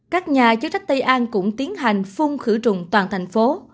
các nhà chức trách tây an cũng tiến hành phun khử trùng toàn thành phố